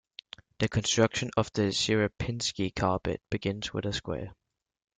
The construction of the Sierpinski carpet begins with a square.